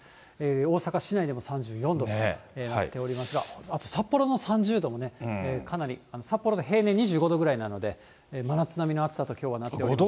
大阪市内でも３４度となっておりますが、あと札幌の３０度もね、かなり、札幌の平年２５度ぐらいなので、真夏並みの暑さと、きょうはなっておりますが。